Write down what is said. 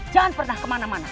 jangan pernah kemana mana